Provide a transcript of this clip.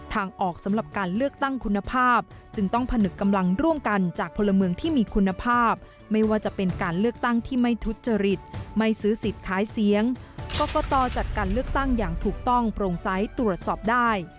ทางออกสำหรับการเลือกตั้งคุณภาพจึงต้องผนึกกำลังร่วมกันจากพลเมืองที่มีคุณภาพไม่ว่าจะเป็นการเลือกตั้งที่ไม่ทุจริตไม่ซื้อสิทธิ์ขายเสียงกรกตจัดการเลือกตั้งอย่างถูกต้องโปร่งใสตรวจสอบได้